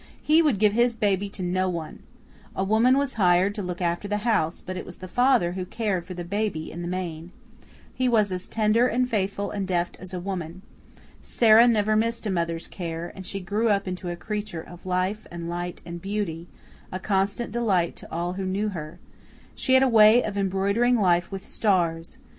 He would give his baby to no one. A woman was hired to look after the house, but it was the father who cared for the baby in the main. He was as tender and faithful and deft as a woman. Sara never missed a mother's care, and she grew up into a creature of life and light and beauty, a constant delight to all who knew her. She had a way of embroidering life with stars.